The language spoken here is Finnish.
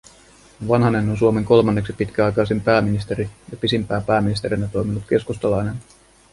Vanhanen on Suomen kolmanneksi pitkäaikaisin pääministeri ja pisimpään pääministerinä toiminut keskustalainen